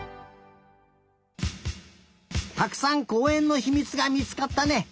たくさんこうえんのひみつがみつかったね。